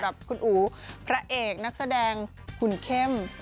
กับคุณอู๋พระเอกนักแสดงหุ่นเข้ม